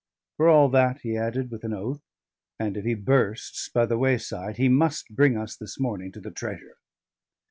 "For all that," he added, with an oath, "and if he bursts by the wayside, he must bring us this morning to the treasure."